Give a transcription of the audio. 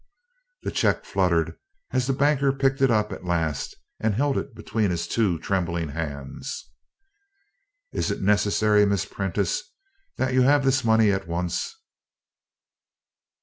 The check fluttered as the banker picked it up at last and held it between his two trembling hands. "Is it necessary, Miss Prentice, that you have this money at once?"